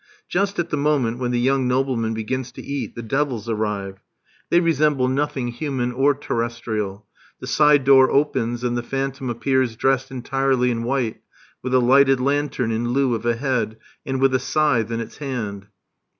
Just at the moment when the young nobleman begins to eat, the devils arrive. They resemble nothing human or terrestrial. The side door opens, and the phantom appears dressed entirely in white, with a lighted lantern in lieu of a head, and with a scythe in its hand.